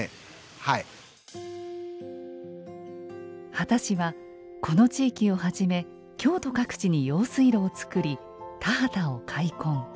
秦氏はこの地域をはじめ京都各地に用水路を造り田畑を開墾。